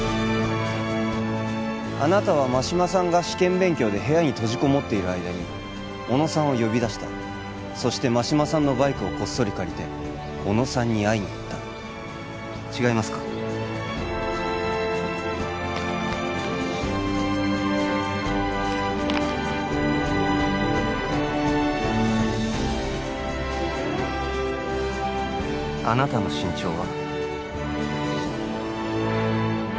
あなたは真島さんが試験勉強で部屋に閉じこもっている間に小野さんを呼び出したそして真島さんのバイクをこっそり借りて小野さんに会いに行った違いますかあなたの身長は？